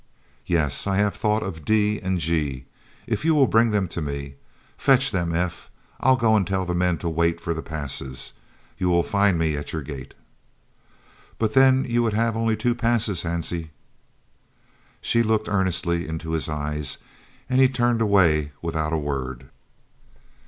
"Yes, I have thought of D. and G., if you will bring them to me. Fetch them, F. I'll go and tell the men to wait for the passes. You will find me at your gate." "But then you would have only two passes, Hansie." She looked earnestly into his eyes, and he turned away without a word.